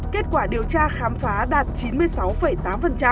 kết quả điều tra khám phá đạt chín mươi sáu tám